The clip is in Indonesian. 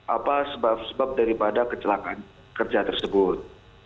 apa sebab sebab daripada kecelakaan kerja tersebut